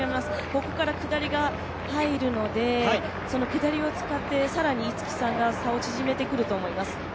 ここから下りが入るので下りを使って更に逸木さんが差を縮めてくると思います。